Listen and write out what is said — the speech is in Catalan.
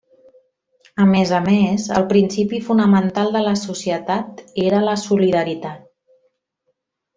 A més a més, el principi fonamental de la societat era la solidaritat.